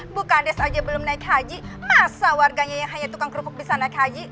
bu kades saja belum naik haji masa warganya yang hanya tukang kerupuk bisa naik haji